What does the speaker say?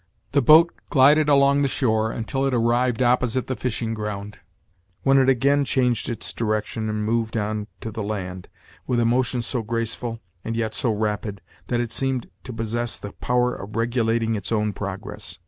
The boat glided along the shore until it arrived opposite the fishing ground, when it again changed its direction and moved on to the land, with a motion so graceful, and yet so rapid, that it seemed to possess the power of regulating its own progress.